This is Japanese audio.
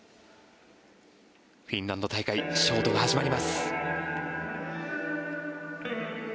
フィンランド大会ショートが始まります。